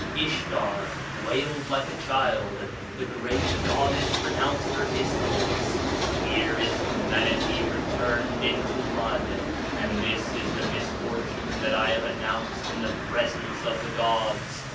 Ishtar wailed like a child, the great goddess pronounced her discourse: "Here is humanity returned into mud, and this is the misfortune that I have announced in the presence of the gods.